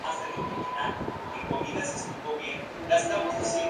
El campeón fue Rampla Juniors por primera vez.